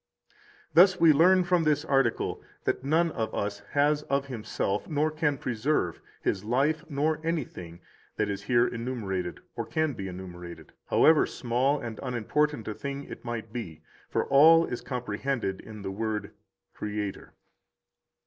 16 Thus we learn from this article that none of us has of himself, nor can preserve, his life nor anything that is here enumerated or can be enumerated, however small and unimportant a thing it might be, for all is comprehended in the word Creator.